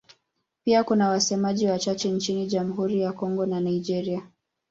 Pia kuna wasemaji wachache nchini Jamhuri ya Kongo na Nigeria.